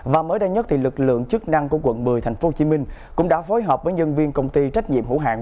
và mới đây nhất lực lượng chức năng của quận một mươi thành phố hồ chí minh cũng đã phối hợp với nhân viên công ty trách nhiệm hữu hạng